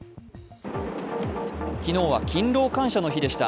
昨日は勤労感謝の日でした。